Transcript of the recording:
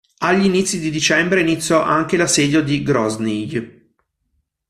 Agli inizi di dicembre iniziò anche l'assedio di Groznyj.